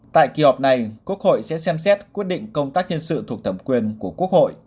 tại kỳ họp này quốc hội sẽ xem xét quyết định công tác nhân sự thuộc thẩm quyền của quốc hội